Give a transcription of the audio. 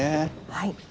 はい。